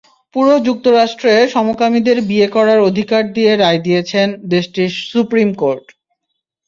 পুরো যুক্তরাষ্ট্রে সমকামীদের বিয়ে করার অধিকার দিয়ে রায় দিয়েছেন দেশটির সুপ্রিম কোর্ট।